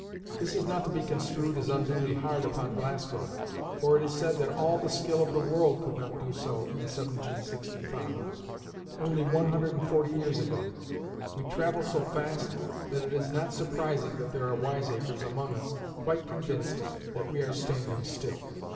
This is not to be construed as unduly hard upon Glasgow, for it is said that all the skill of the world could not do so in 1765, only one hundred and forty years ago. We travel so fast that it is not surprising that there are wiseacres among us quite convinced that we are standing still.